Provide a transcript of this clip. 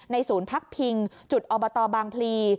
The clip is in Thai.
ศูนย์พักพิงจุดอบตบางพลี